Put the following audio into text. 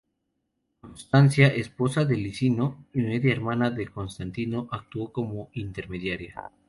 Constancia, esposa de Licinio y media hermana de Constantino, actuó como intermediaria.